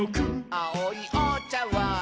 「あおいおちゃわん」